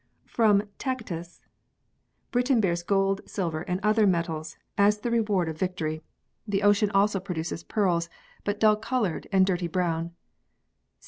From Tacitus. Britain bears gold, silver and other metals as the reward of \ji. i] THE HISTORY OF PEARLS 5 victory, the ocean also produces pearls, but dull coloured and dirty brown.